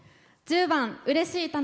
１０番「うれしい！